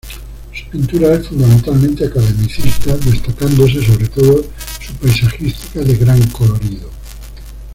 Su pintura es fundamentalmente academicista destacándose sobre todo su paisajística de gran colorido.